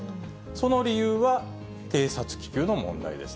その理由は、偵察気球の問題です。